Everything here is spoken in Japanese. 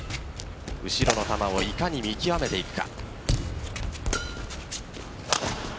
後ろの球をいかに見極めていくか。